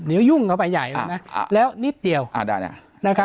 เดี๋ยวยุ่งเข้าไปใหญ่เลยนะอ่าแล้วนิดเดียวอ่าได้นะนะครับ